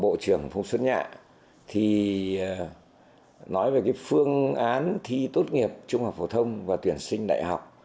bộ trưởng phùng xuân nhạ thì nói về cái phương án thi tốt nghiệp trung học phổ thông và tuyển sinh đại học